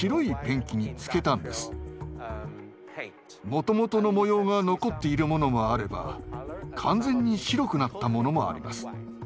もともとの模様が残っているものもあれば完全に白くなったものもあります。